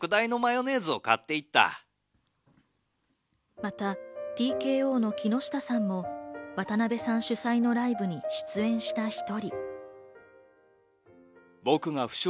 またＴＫＯの木下さんも渡辺さん主催のライブに出演した１人。